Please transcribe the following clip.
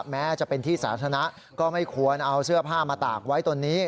แม้จะเป็นที่สาธารณะก็ไม่ควรเอาเสื้อผ้ามาตากไว้ตรงนี้